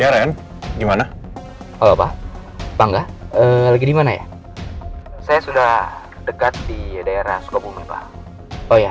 ya ren gimana apa bangga lagi dimana ya saya sudah dekat di daerah sukabumi pak oh ya